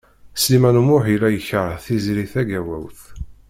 Sliman U Muḥ yella yekreh Tiziri Tagawawt.